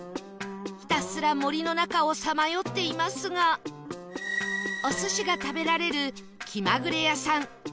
ひたすら森の中をさまよっていますがお寿司が食べられるきまぐれやさん